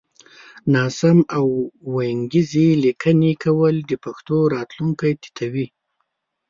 ناسم او وينگيزې ليکنې کول د پښتو راتلونکی تتوي